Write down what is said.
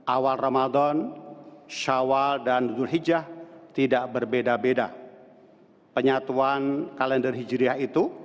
awal ramadan shawwal dan dulhijjah tidak berbeda beda penyatuan kalender hijriyah itu